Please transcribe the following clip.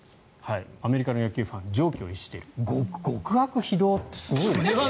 アメリカの野球ファン常軌を逸している極悪非道ってすごいですね。